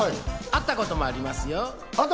会ったこともありますよ。